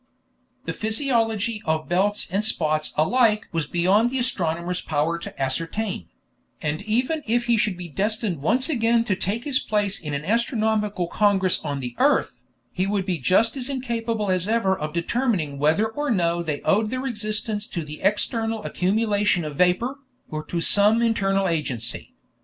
The physiology of belts and spots alike was beyond the astronomer's power to ascertain; and even if he should be destined once again to take his place in an astronomical congress on the earth, he would be just as incapable as ever of determining whether or no they owed their existence to the external accumulation of vapor, or to some internal agency.